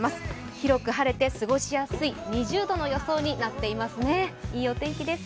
広く晴れて過ごしやすい２０度の予想になっていますね。